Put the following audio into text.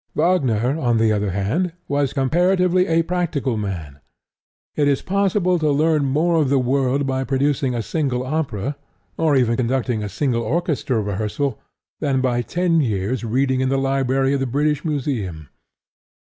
Wagner, on the other hand, was comparatively a practical man. It is possible to learn more of the world by producing a single opera, or even conducting a single orchestral rehearsal, than by ten years reading in the Library of the British Museum.